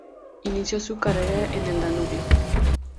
Inició su carrera en el Danubio.